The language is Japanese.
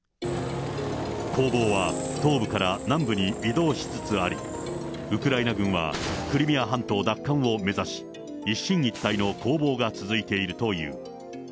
攻防は東部から南部に移動しつつあり、ウクライナ軍はクリミア半島奪還を目指し、一進一退の攻防が続いているという。